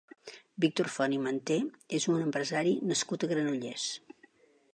Víctor Font i Manté és un empresari nascut a Granollers.